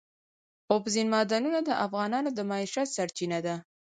اوبزین معدنونه د افغانانو د معیشت سرچینه ده.